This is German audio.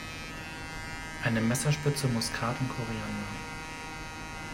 Eine Messerspitze Muskat und Koriander.